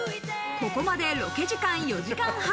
ここまでロケ時間４時間半。